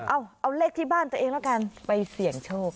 เอาเอาเลขที่บ้านตัวเองแล้วกันไปเสี่ยงโชค